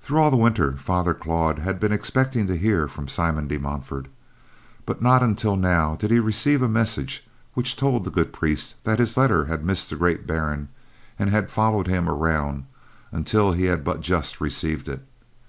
Through all the winter, Father Claude had been expecting to hear from Simon de Montfort, but not until now did he receive a message which told the good priest that his letter had missed the great baron and had followed him around until he had but just received it.